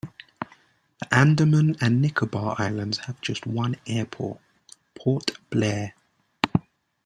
The Andaman and Nicobar Islands have just one airport, Port Blair.